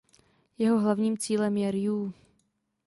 Jeho hlavním cílem je Rjú.